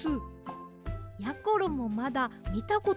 やころもまだみたことがないんですが。